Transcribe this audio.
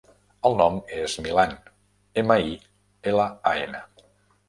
El nom és Milan: ema, i, ela, a, ena.